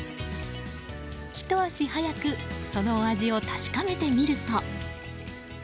ひと足早く、そのお味を確かめてみると。